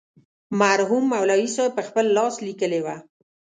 مرحوم مولوي صاحب پخپل لاس لیکلې وه.